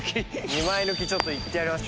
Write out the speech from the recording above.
２枚抜きちょっといってやります。